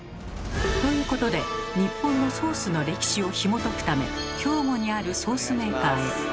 ということで日本のソースの歴史をひもとくため兵庫にあるソースメーカーに。